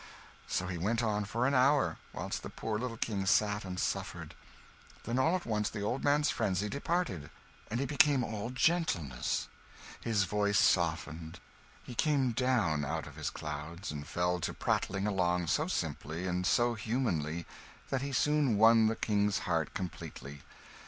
So he went on, for an hour, whilst the poor little King sat and suffered. Then all at once the old man's frenzy departed, and he became all gentleness. His voice softened, he came down out of his clouds, and fell to prattling along so simply and so humanly, that he soon won the King's heart completely.